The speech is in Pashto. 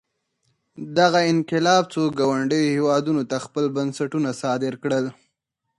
دغه انقلاب څو ګاونډیو هېوادونو ته خپل بنسټونه صادر کړل.